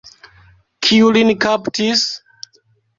Kiu lin kaptis?